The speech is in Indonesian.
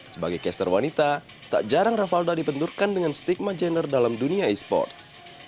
sebagai caster wanita tak jarang ravalda dibenturkan dengan stigma gender dalam dunia e sports